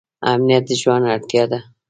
امنیت د ژوند اړتیا ده